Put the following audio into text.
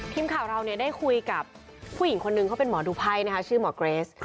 ทีมข่าวเราได้คุยกับผู้หญิงคนนึงเขาเป็นหมอดูไพ่นะคะชื่อหมอเกรส